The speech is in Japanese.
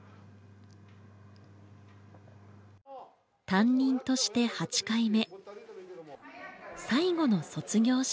担任として８回目最後の卒業式。